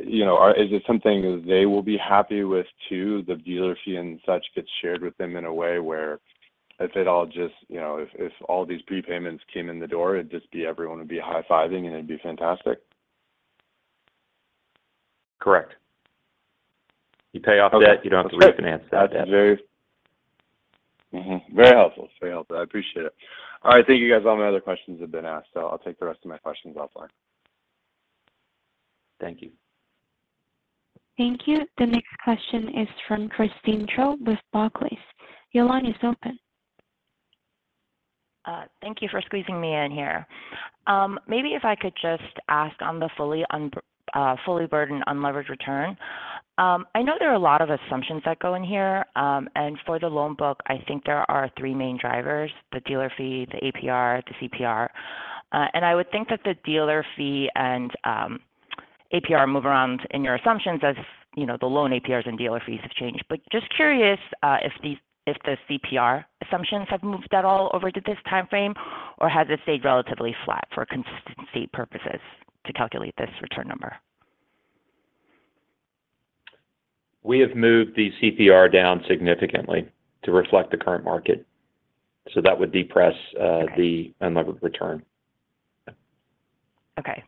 you know, is it something that they will be happy with, too? The dealer fee and such gets shared with them in a way where if it all just, you know, if all these prepayments came in the door, it'd just be everyone would be high-fiving, and it'd be fantastic? Correct. You pay off debt, you don't have to refinance that debt. Mm-hmm. Very helpful. Very helpful. I appreciate it. All right. Thank you, guys. All my other questions have been asked, so I'll take the rest of my questions offline. Thank you. Thank you. The next question is from Christine Cho with Barclays. Your line is open. Thank you for squeezing me in here. Maybe if I could just ask on the fully burdened, unlevered return. I know there are a lot of assumptions that go in here. And for the loan book, I think there are three main drivers: the dealer fee, the APR, the CPR. And I would think that the dealer fee and APR move around in your assumptions as, you know, the loan APRs and dealer fees have changed. But just curious, if the CPR assumptions have moved at all over to this time frame, or has it stayed relatively flat for consistency purposes to calculate this return number? We have moved the CPR down significantly to reflect the current market, so that would depress the unlevered return. Okay.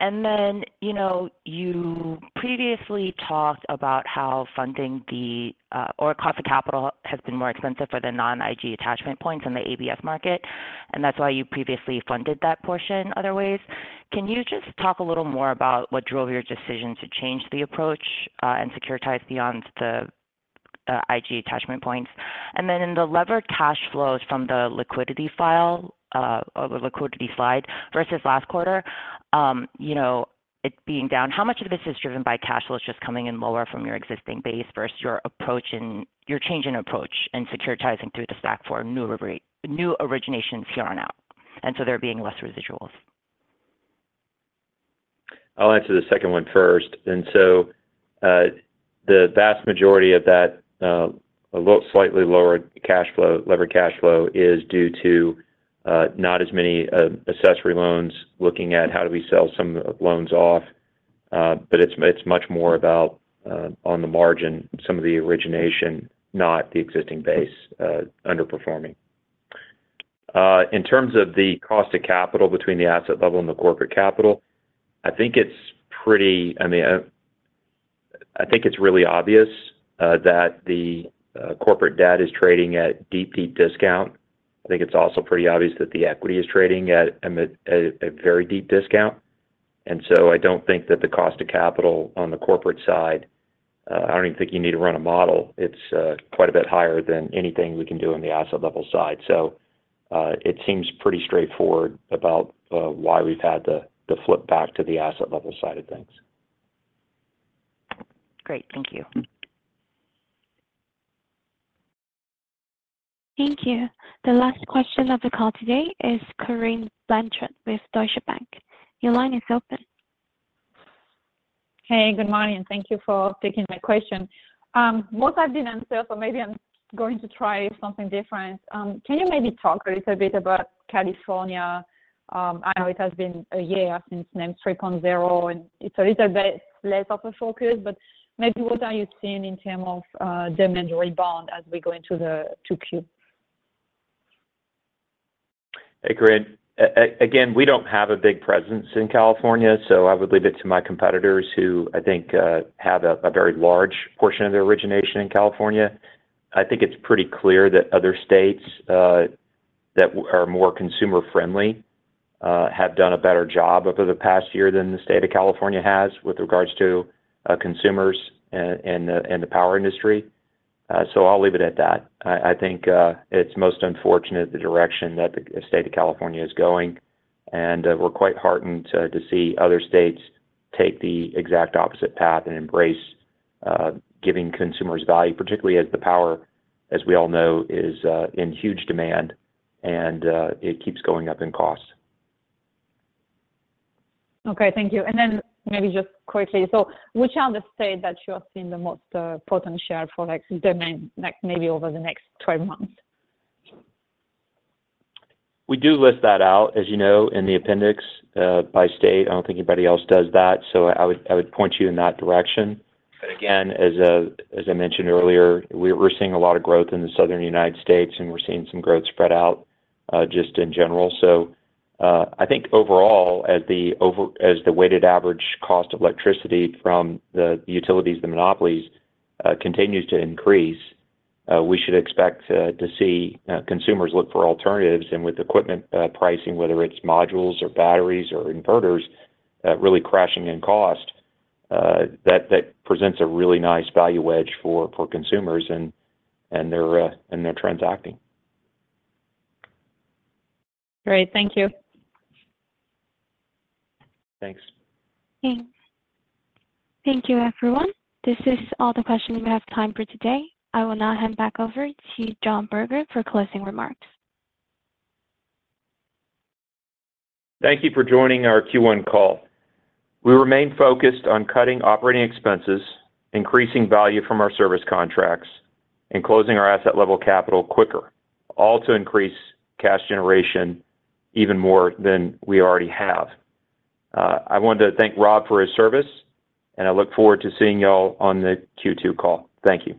And then, you know, you previously talked about how funding the, or cost of capital has been more expensive for the non-IG attachment points in the ABS market, and that's why you previously funded that portion other ways. Can you just talk a little more about what drove your decision to change the approach, and securitize beyond the IG attachment points? And then in the levered cash flows from the liquidity file, or the liquidity slide versus last quarter, you know, it being down, how much of this is driven by cash flows just coming in lower from your existing base versus your approach and—your change in approach and securitizing through the stack for a new origination CRM out, and so there being less residuals? I'll answer the second one first. And so, the vast majority of that, a little slightly lower cash flow, levered cash flow is due to, not as many, accessory loans, looking at how do we sell some loans off, but it's, it's much more about, on the margin, some of the origination, not the existing base, underperforming. In terms of the cost of capital between the asset level and the corporate capital, I think it's I mean, I think it's really obvious, that the corporate debt is trading at deep, deep discount. I think it's also pretty obvious that the equity is trading at a very deep discount. And so I don't think that the cost of capital on the corporate side, I don't even think you need to run a model. It's quite a bit higher than anything we can do on the asset level side. It seems pretty straightforward about why we've had to flip back to the asset-level side of things. Great. Thank you. Thank you. The last question of the call today is Corinne Blanchard with Deutsche Bank. Your line is open. Hey, good morning, and thank you for taking my question. Most have been answered, so maybe I'm going to try something different. Can you maybe talk a little bit about California? I know it has been a year since NEM 3.0, and it's a little bit less of a focus, but maybe what are you seeing in term of demand rebound as we go into the 2Q? Hey, Corinne. Again, we don't have a big presence in California, so I would leave it to my competitors, who, I think, have a very large portion of their origination in California. I think it's pretty clear that other states that are more consumer-friendly have done a better job over the past year than the state of California has with regards to consumers and the power industry. So I'll leave it at that. I think it's most unfortunate the direction that the state of California is going, and we're quite heartened to see other states take the exact opposite path and embrace giving consumers value, particularly as the power, as we all know, is in huge demand, and it keeps going up in cost. Okay, thank you. Then maybe just quickly, so which are the states that you are seeing the most potential for, like, demand, like, maybe over the next 12 months? We do list that out, as you know, in the appendix, by state. I don't think anybody else does that, so I would point you in that direction. But again, as I mentioned earlier, we're seeing a lot of growth in the southern United States, and we're seeing some growth spread out, just in general. So, I think overall, as the weighted average cost of electricity from the utilities, the monopolies, continues to increase, we should expect to see consumers look for alternatives. And with equipment pricing, whether it's modules or batteries or inverters, really crashing in cost, that presents a really nice value edge for consumers, and they're transacting. Great. Thank you. Thanks. Thanks. Thank you, everyone. This is all the questions we have time for today. I will now hand back over to John Berger for closing remarks. Thank you for joining our Q1 call. We remain focused on cutting operating expenses, increasing value from our service contracts, and closing our asset-level capital quicker, all to increase cash generation even more than we already have. I want to thank Rob for his service, and I look forward to seeing you all on the Q2 call. Thank you.